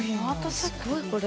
すごいこれ。